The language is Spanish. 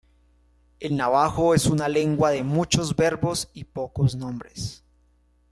El navajo es una lengua de muchos verbos y pocos nombres.